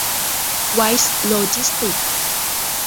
ไวส์ โลจิสติกส์